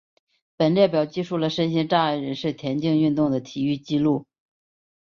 本列表记述了身心障碍人士田径运动的体育纪录。